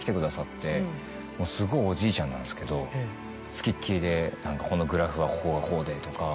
もうすごいおじいちゃんなんですけど付きっきりでこのグラフはここがこうでとか。